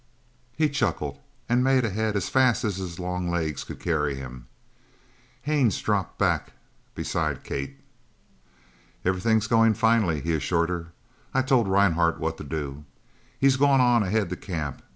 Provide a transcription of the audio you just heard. He chuckled and made ahead as fast as his long legs could carry him. Haines dropped back beside Kate. "Everything goes finely," he assured her. "I told Rhinehart what to do. He's gone ahead to the camp.